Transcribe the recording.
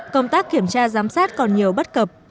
công tác kiểm tra giám sát còn nhiều bất cập